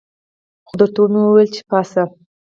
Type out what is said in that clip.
خو درته ومې ویل چې پاڅه.